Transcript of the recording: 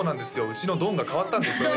うちのドンが代わったんですよね